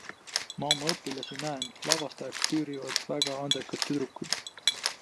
Ma oma õpilasi näen, lavastajaks pürivad väga andekad tüdrukud.